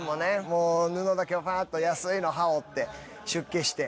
もう布だけをふぁっと安いの羽織って出家して。